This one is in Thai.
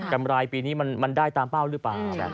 รายปีนี้มันได้ตามเป้าหรือเปล่า